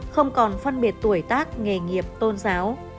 không còn phân biệt tuổi tác nghề nghiệp tôn giáo